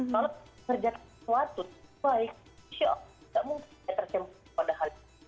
kalau kerjaan sesuatu yang baik